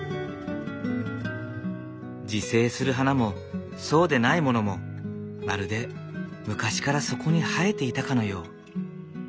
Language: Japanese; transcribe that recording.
自生する花もそうでないものもまるで昔からそこに生えていたかのよう。